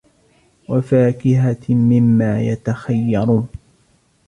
وَفَاكِهَةٍ مِّمَّا يَتَخَيَّرُونَ